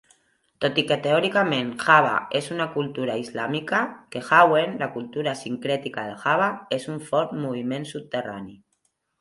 Tot i que teòricament Java és una cultura islàmica, "kejawen", la cultura sincrètica de Java, és un fort moviment subterrani.